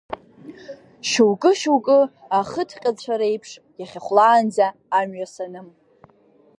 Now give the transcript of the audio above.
Шьоукы-шьоукы ахыҭҟьацәа реиԥш иахьа хәлаанӡа амҩа саным…